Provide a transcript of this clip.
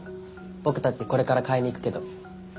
ボクたちこれから買いに行くけど。